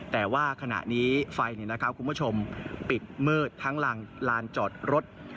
แต่ว่าขณะนี้ไฟนี่นะครับคุณผู้ชมปิดเมือดทั้งลานจอดรถ